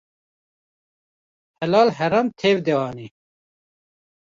Helal heram tev de anî